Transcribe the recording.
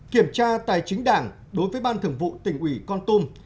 kiểm tra tài chính đảng đối với ban thường vụ tỉnh ủy con tum